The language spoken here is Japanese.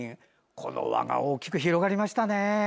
この輪が大きく広がりましたね。